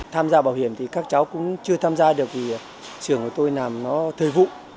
tham gia bảo hiểm thì các cháu cũng chưa tham gia được vì trường của tôi làm nó thời vụ